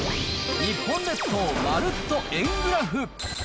日本列島まるっと円グラフ。